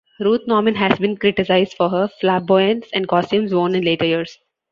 Ruth Norman has been criticized for her flamboyance and costumes worn in later years.